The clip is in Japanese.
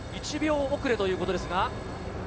１秒遅れということです。